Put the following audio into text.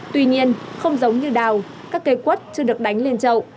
tuy nhiên không giống như đào các cây quất chưa được đánh lên trậu